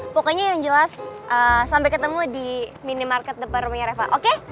pokoknya yang jelas sampai ketemu di minimarket deparmennya reva oke